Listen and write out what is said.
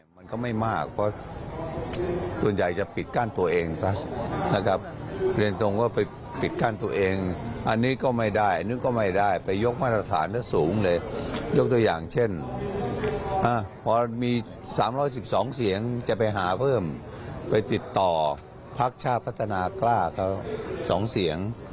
พรรคชาพพัฒนากล้าเขาสองเสียง